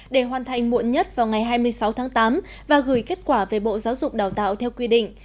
để hoàn thành muộn nhất vào ngày hai mươi sáu tháng tám và gửi kết quả về bộ giáo dục đào tạo theo quy định